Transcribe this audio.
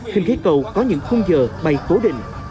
khinh khí cầu có những khung giờ bay cố định